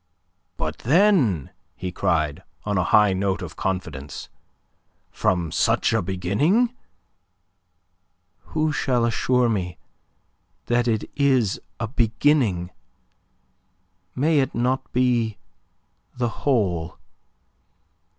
"But, then," he cried, on a high note of confidence, "from such a beginning..." "Who shall assure me that it is a beginning? May it not be the whole?